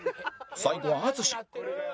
最後は淳